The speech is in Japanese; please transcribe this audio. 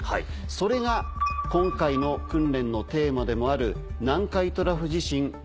それが今回の訓練のテーマでもある。